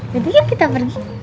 gak dikit kita pergi